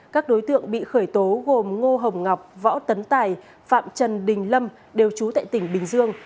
các đối tượng bị khởi tố gồm ngô hồng ngọc võ tấn tài phạm trần đình lâm đều trú tại tỉnh bình dương